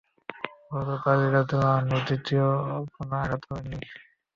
হযরত আলী রাযিয়াল্লাহু আনহু দ্বিতীয় কোন আঘাত করেন না।